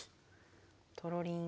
とろりん。